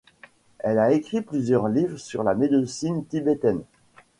Elle a écrit plusieurs livres sur la médecine tibétaine.